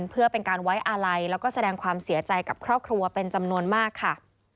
เพื่อเป็นการไว้อาลัยแล้วก็แสดงความเสียใจกับครอบครัวเป็นจำนวนมากค่ะ